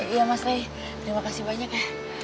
iya mas ray terima kasih banyak ya